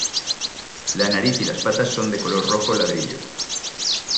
La nariz y las patas son de color rojo ladrillo.